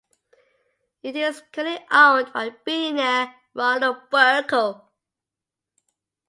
It is currently owned by billionaire Ronald Burkle.